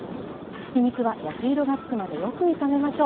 ひき肉は焼き色がつくまでよく炒めましょう。